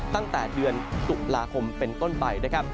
ตั้งแต่เดือนตุลาคมเป็นต้นไปนะครับ